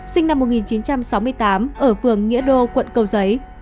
sinh năm một nghìn chín trăm sáu mươi tám ở phường nghĩa đô quận cầu giấy